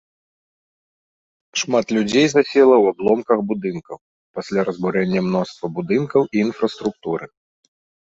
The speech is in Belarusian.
Шмат людзей засела ў абломках будынкаў, пасля разбурэння мноства будынкаў і інфраструктуры.